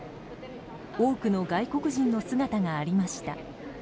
多くの外国人の姿がありました。